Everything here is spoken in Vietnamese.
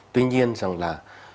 tuy nhiên rằng là